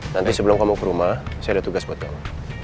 nanti sebelum kamu ke rumah saya ada tugas buat kamu